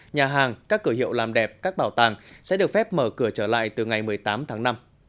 nhà hàng các cửa hiệu làm đẹp các bảo tàng sẽ được phép mở cửa trở lại từ ngày một mươi tám tháng năm